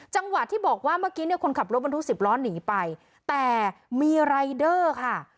จังหวะที่บอกว่าเมื่อกี้เนี่ยคนขับรถบรรทุกสิบล้อหนีไปแต่มีรายเดอร์ค่ะ